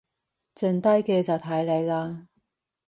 剩低嘅就睇你喇